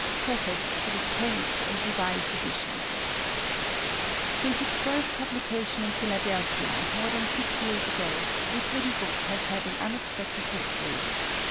_ PREFACE TO THE TENTH AND REVISED EDITION Since its first publication in Philadelphia, more than six years ago, this little book has had an unexpected history.